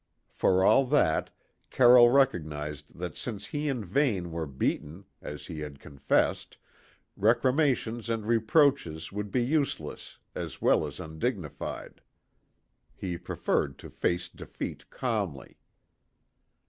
For all that, Carroll recognised that since he and Vane were beaten, as he had confessed, recriminations and reproaches would be useless as well as undignified. He preferred to face defeat calmly.